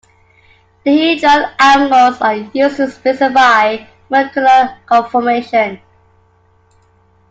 Dihedral angles are used to specify the molecular conformation.